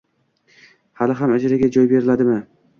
Hali ham ijaraga joy beriladimi?